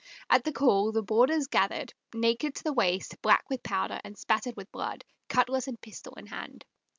At the call the boarders gathered, naked to the waist, black with powder and spattered with blood, cutlas and pistol in hand.